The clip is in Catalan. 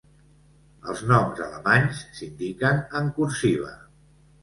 Els noms alemanys s'indiquen en "cursiva".